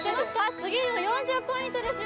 次は４０ポイントですよ